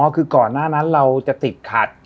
คือก่อนหน้านั้นเราจะติดขัด